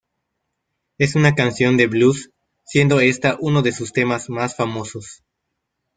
Es una canción de blues siendo esta uno de sus temas más famosos.